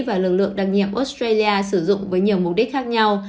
và lực lượng đặc nhiệm australia sử dụng với nhiều mục đích khác nhau